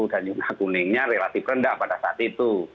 dan yuna kuningnya relatif rendah pada saat itu